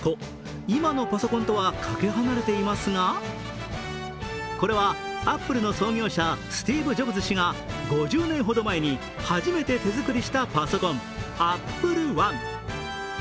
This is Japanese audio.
今のパソコンとはかけ離れていますがこれはＡｐｐｌｅの創業者、スティーブ・ジョブズ氏が５０年ほど前に始めて手作りしたパソコンＡｐｐｌｅ−１。